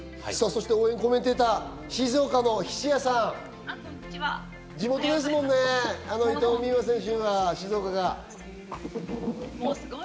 そして応援コメンテーター、静岡の菱谷さん、地元ですもんね、伊藤美誠選手。